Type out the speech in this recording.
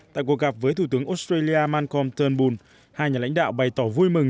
tại cuộc gặp với thủ tướng australia malcolm turnbull hai nhà lãnh đạo bày tỏ vui mừng